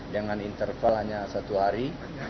dengan interval hanya satu hari